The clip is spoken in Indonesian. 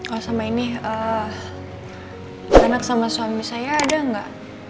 oh sama ini anak sama suami saya ada gak